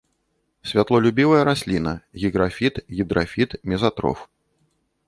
Святлолюбівая расліна, гіграфіт, гідрафіт, мезатроф.